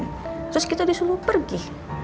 terus kita disuruh pergi